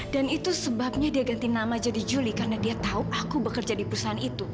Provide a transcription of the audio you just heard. dan itu sebabnya dia ganti nama jadi juli karena dia tahu aku bekerja di perusahaan itu